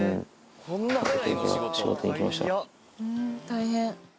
大変。